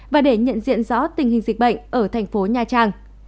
và để nhận diện rõ tình hình dịch bệnh ở thành phố nha trang